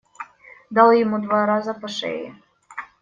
Дал ему два раза по шее.